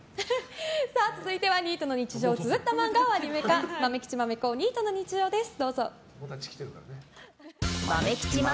続いてはニートの日常をつづった漫画をアニメ化「まめきちまめこニートの日常」です。